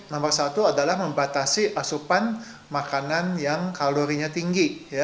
nomor satu adalah membatasi asupan makanan yang kalorinya tinggi